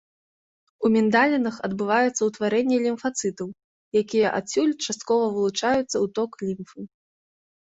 У міндалінах адбываецца ўтварэнне лімфацытаў, якія адсюль часткова вылучаюцца ў ток лімфы.